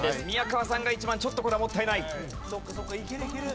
宮川さんが１番ちょっとこれはもったいない。